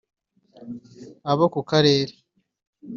abo ku karere